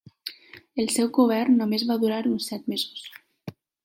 El seu govern només va durar uns set mesos.